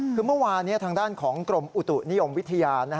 คือเมื่อวานนี้ทางด้านของกรมอุตุนิยมวิทยา